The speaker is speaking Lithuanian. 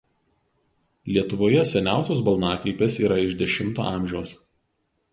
Lietuvoje seniausios balnakilpės yra iš X a.